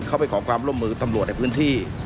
ไปขอความร่วมมือตำรวจในพื้นที่